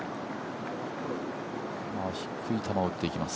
低い球を打っていきます。